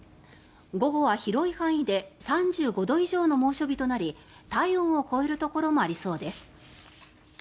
午後は広い範囲で３５度以上の猛暑日となり体温を超えるところもありそうです。